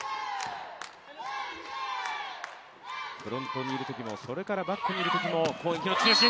フロントにいるときもバックにいるときも攻撃の中心。